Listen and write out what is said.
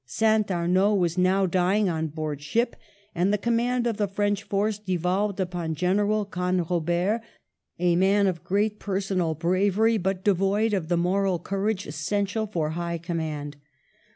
St. Arnaud was now dying on board ship,^ and the command of the Fi ench force devolved upon General Canrobert, a man of great personal bravery, but devoid of the moral courage essential for high command.